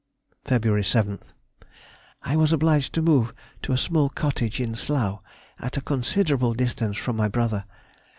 Feb. 7th.—I was obliged to move to a small cottage in Slough, at a considerable distance from my brother.